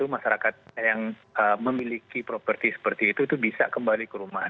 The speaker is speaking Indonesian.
masyarakat yang memiliki properti seperti itu itu bisa kembali ke rumah